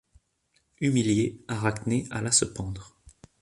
Humiliée, Arachné alla se pendre.